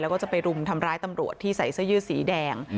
แล้วก็จะไปรุมทำร้ายตำรวจที่ใส่เสื้อยืดสีแดง